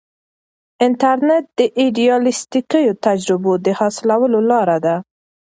انټرنیټ د ایډیالیسټیکو تجربو د حاصلولو لار ده.